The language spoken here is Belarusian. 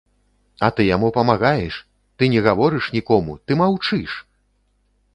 А ты яму памагаеш, ты не гаворыш нікому, ты маўчыш!